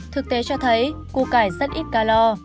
thực tế cho thấy củ cải rất ít calor